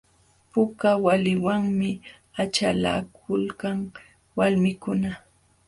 Puka waliwanmi achalakulkan walmikuna.